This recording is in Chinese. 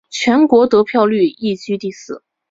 全国得票率亦居第四。